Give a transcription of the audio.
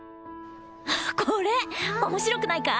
あっこれ面白くないか？